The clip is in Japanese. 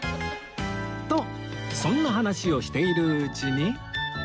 とそんな話をしているうちに